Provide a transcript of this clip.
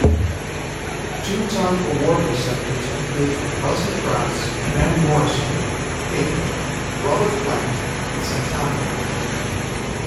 Two-time award recipients include Alison Krauss, Van Morrison, Pink, Robert Plant, and Santana.